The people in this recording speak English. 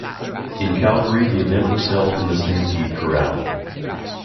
In Calgary the event was held in the Stampede Corral.